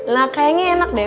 nah kayaknya enak deh